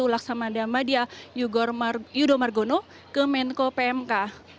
laksamadamadiah yudomarguno ke menko pmk